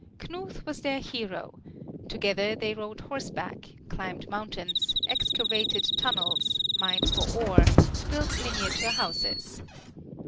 Knuth was their hero together they rode horseback, climbed mountains, excavated tunnels, mined for ore, built miniature houses.